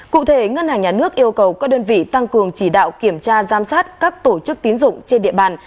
cụ thể ngân hàng nhà nước yêu cầu các đơn vị tăng cường chỉ đạo kiểm tra giám sát các tổ chức tín dụng trên địa bàn